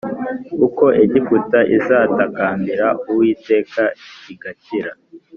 Uko Egiputa izatakambira Uwiteka igakira